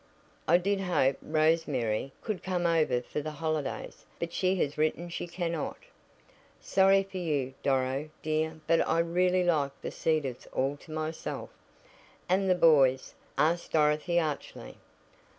"I did hope Rose Mary could come over for the holidays, but she has written she cannot." "Sorry for you, Doro, dear, but I really like The Cedars all to myself." "And the boys?" asked Dorothy archly.